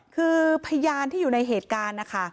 คือพยานที่อยู่ในเหตุการณ์นะคะ